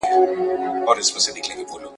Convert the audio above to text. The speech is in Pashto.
که انسان چیري تر شا خورجین لیدلای ,